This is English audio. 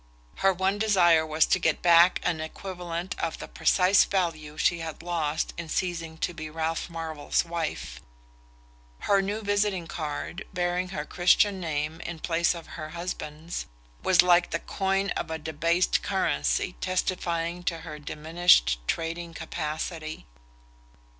Her one desire was to get back an equivalent of the precise value she had lost in ceasing to be Ralph Marvell's wife. Her new visiting card, bearing her Christian name in place of her husband's, was like the coin of a debased currency testifying to her diminished trading capacity.